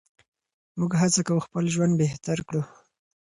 موږ هڅه کوو خپل ژوند بهتر کړو.